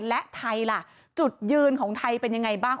และไทยล่ะจุดยืนของไทยเป็นยังไงบ้าง